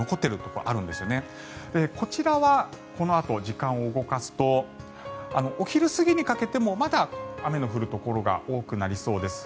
こちらはこのあと時間を動かすとお昼過ぎにかけてもまだ雨の降るところが多くなりそうです。